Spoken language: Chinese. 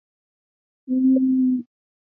刚楚布寺位于日喀则地区吉隆县境内。